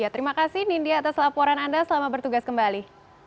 terima kasih nindya atas laporan anda selamat bertugas kembali